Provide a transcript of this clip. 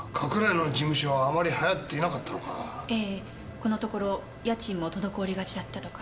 このところ家賃も滞りがちだったとか。